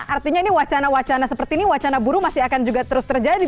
artinya ini wacana wacana seperti ini wacana buruh masih akan juga terus terjadi